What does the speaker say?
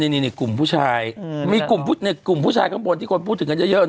นี่กลุ่มผู้ชายมีกลุ่มผู้ชายข้างบนที่คนพูดถึงกันเยอะ